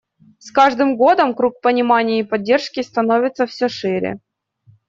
С каждым годом круг понимания и поддержки становится все шире.